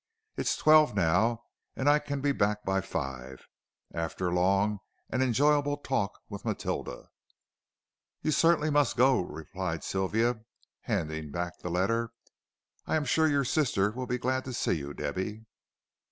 "It's twelve now, and I kin be back by five, arter a long, and enjiable tork with Matilder." "You certainly must go," replied Sylvia, handing back the letter. "I am sure your sister will be glad to see you, Debby."